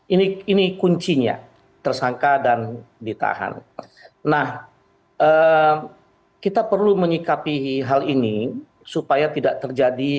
ini ini kuncinya tersangka dan ditahan nah kita perlu menyikapi hal ini supaya tidak terjadi